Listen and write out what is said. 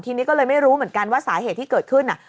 ทีนี้ก็เลยไม่รู้เหมือนกันว่าสาเหตุที่เกิดขึ้น